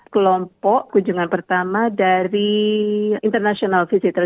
kelompok kunjungan pertama dari international festival